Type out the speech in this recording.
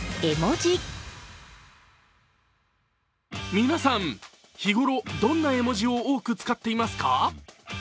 皆さん、日頃、どんな絵文字を多く使っていますか？